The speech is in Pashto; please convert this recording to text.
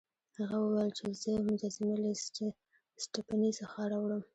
هغه وویل چې زه مجسمې له سټپني څخه راوړم.